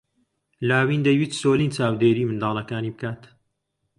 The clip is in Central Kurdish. لاوین دەیویست سۆلین چاودێریی منداڵەکانی بکات.